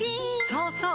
そうそう！